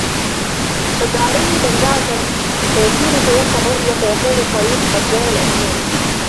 شَدَّ عَلَيْهِ بَرْذَعَةً فَيَسِيرُ فَيَلْقَى الرَّجُلَ فَيَقُولُ الطَّرِيقُ قَدْ جَاءَ الْأَمِيرُ